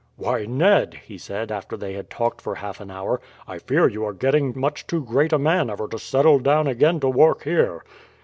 "Why, Ned," he said, after they had talked for half an hour, "I fear you are getting much too great a man ever to settle down again to work here."